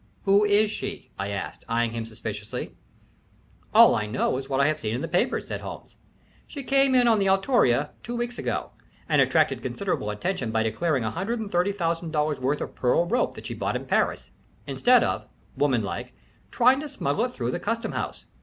"Who is she?" I asked, eying him suspiciously. "All I know is what I have seen in the papers," said Holmes. "She came in on the Altruria two weeks ago, and attracted considerable attention by declaring $130,000 worth of pearl rope that she bought in Paris, instead of, woman like, trying to smuggle it through the custom house.